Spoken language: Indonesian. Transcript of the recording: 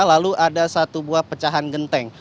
lalu ada satu buah pecahan genteng